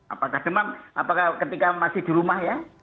apakah demam apakah ketika masih di rumah ya